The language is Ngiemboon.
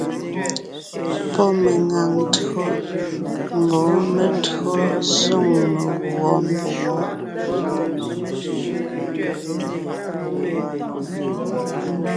Pɔ́ meŋaŋ tÿǒ mbɔɔ me[o tÿǒ ńzoŋ meguɔ mboŋó.